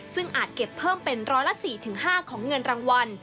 ซึ่งอาจเก็บเพิ่มเป็นร้อยละ๔๕ของเงินรางวัล